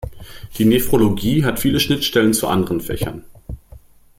Die Nephrologie hat viele Schnittstellen zu anderen Fächern.